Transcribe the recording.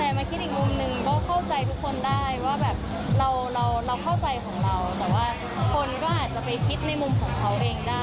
แต่มาคิดอีกมุมหนึ่งก็เข้าใจทุกคนได้ว่าแบบเราเราเข้าใจของเราแต่ว่าคนก็อาจจะไปคิดในมุมของเขาเองได้